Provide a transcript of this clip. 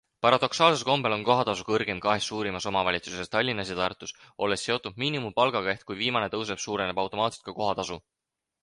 Paradoksaalsel kombel on kohatasu kõrgeim kahes suurimas omavalitsuses Tallinnas ja Tartus, olles seotud miinimumpalgaga, ehk kui viimane tõuseb, suureneb automaatselt ka kohatasu.